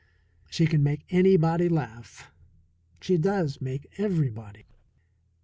She can make anybody laugh; she does make everybody.